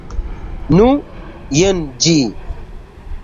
Nu, jen ĝi.